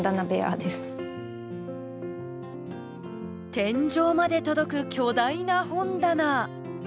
天井まで届く巨大な本棚。